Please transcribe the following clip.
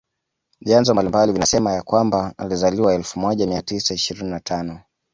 Vyanzo mbalimbali vinasema ya kwamba alizaliwa elfu moja mia tisa ishirini na tano